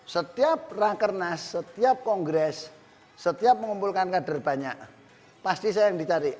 setiap rakernas setiap kongres setiap mengumpulkan kader banyak pasti saya yang dicari